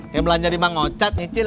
ya belanja di bang ocat cicil